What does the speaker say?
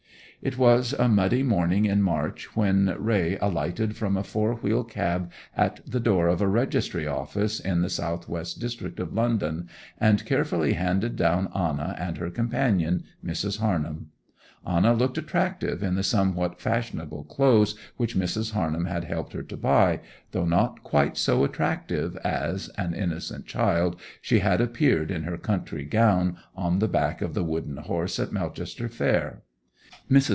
It was a muddy morning in March when Raye alighted from a four wheel cab at the door of a registry office in the S.W. district of London, and carefully handed down Anna and her companion Mrs. Harnham. Anna looked attractive in the somewhat fashionable clothes which Mrs. Harnham had helped her to buy, though not quite so attractive as, an innocent child, she had appeared in her country gown on the back of the wooden horse at Melchester Fair. Mrs.